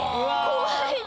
怖い。